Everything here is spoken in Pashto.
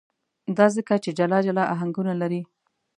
دا ځکه چې جلا جلا آهنګونه لري.